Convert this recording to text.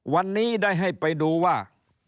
วันนี้ได้ให้ไปดูว่า